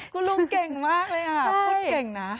คุณลุงเก่งมากเลยพูดเก่งนะ